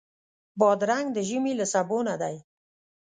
بادرنګ د ژمي له سبو نه دی.